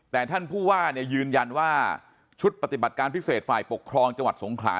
แต่ท่านผู้ว่ายืนยันว่าชุดปฏิบัติการพิเศษฝ่ายปกครองจังหวัดสงขลา